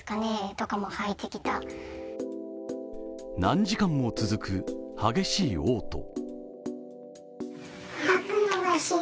何時間も続く、激しいおう吐。